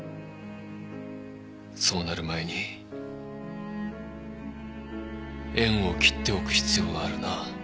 そうなる前に縁を切っておく必要があるな。